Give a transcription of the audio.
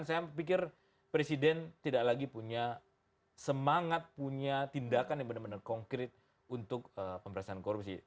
saya pikir presiden tidak lagi punya semangat punya tindakan yang benar benar konkret untuk pemberantasan korupsi